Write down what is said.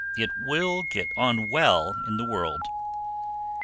It will get on well in the world.